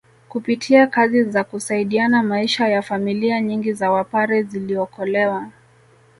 Kupitia kazi za kusaidiana maisha ya familia nyingi za Wapare ziliokolewa